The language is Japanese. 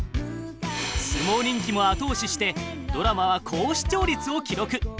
相撲人気も後押ししてドラマは高視聴率を記録。